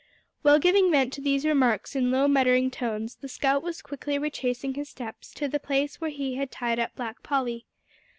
While giving vent to these remarks in low muttering tones, the scout was quickly retracing his steps to the place where he had tied up Black Polly.